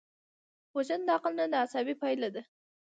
وژنه د عقل نه، د غصې پایله ده